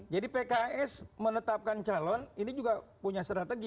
jadi pks menetapkan calon ini juga punya strategi